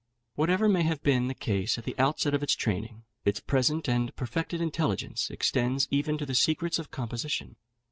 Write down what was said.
Whatever may have been the case at the outset of its training, its present and perfected intelligence extends even to the secrets of composition.